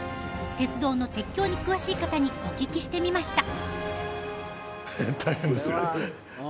鉄道の鉄橋に詳しい方にお聞きしてみました。